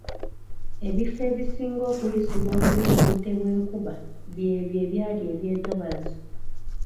Ebifo ebisinga okuyisibwa obubi mu budde bw’enkuba by’ebyo ebyali entobazi.